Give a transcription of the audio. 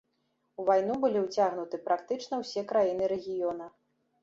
У вайну былі ўцягнуты практычна ўсе краіны рэгіёна.